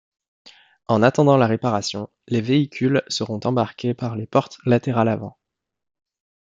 En attendant la réparation, les véhicules seront embarqués par les portes latérales avant.